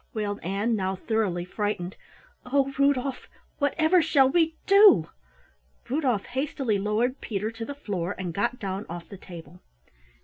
wailed Ann, now thoroughly frightened. "Oh, Rudolf, whatever shall we do?" Rudolf hastily lowered Peter to the floor and got down off the table.